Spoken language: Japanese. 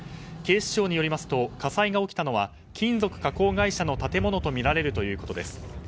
警視庁によりますと火災が起きたのは金属加工会社の建物とみられるということです。